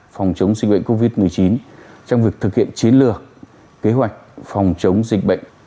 phòng chống dịch bệnh covid một mươi chín trong việc thực hiện chiến lược kế hoạch phòng chống dịch bệnh